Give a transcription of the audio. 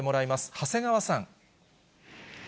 長谷川さん。